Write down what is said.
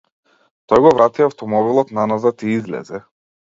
Тој го врати автомобилот наназад и излезе.